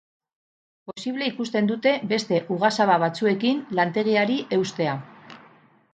Posible ikusten dute beste ugazaba batzuekin lantegiari eustea.